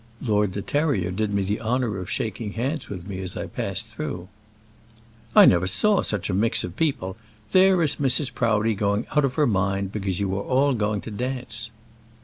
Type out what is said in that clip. "Lord De Terrier did me the honour of shaking hands with me as I passed through." "I never saw such a mixture of people. There is Mrs. Proudie going out of her mind because you are all going to dance."